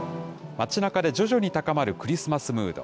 町なかで徐々に高まるクリスマスムード。